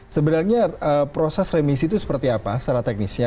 sebenarnya proses remisi itu seperti apa secara teknisnya